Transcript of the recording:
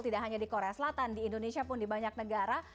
tidak hanya di korea selatan di indonesia pun di banyak negara